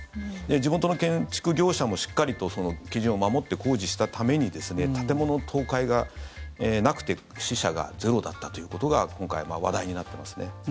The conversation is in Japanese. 地元の建築業者もしっかりとその基準を守って工事したために建物倒壊がなくて死者がゼロだったということが今回、話題になってますね。